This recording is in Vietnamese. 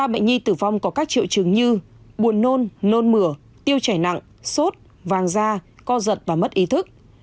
ba bệnh nhi tử vong có các triệu chứng như buồn nôn nôn mửa tiêu chảy nặng sốt vàng da co giật và mất ý thức